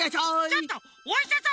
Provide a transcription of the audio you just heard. ちょっとおいしゃさん